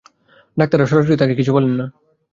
ডাক্তাররা সরাসরি তাঁকে কিছু বলেন না।